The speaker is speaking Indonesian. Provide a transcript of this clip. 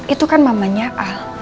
itu kan mamanya al